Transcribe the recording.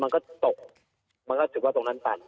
มันค่ะตกมันก็ถือว่าตรงนั้นตัน